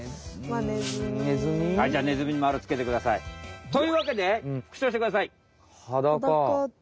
ネズミ？じゃあネズミにまるつけてください。というわけでふくしょうしてください。